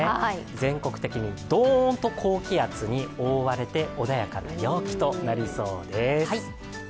全国的にドーンと高気圧に覆われて穏やかな陽気となりそうです。